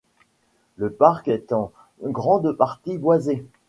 Le parc est en grande partie boisée.